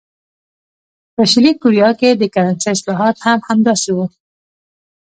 په شلي کوریا کې د کرنسۍ اصلاحات هم همداسې وو.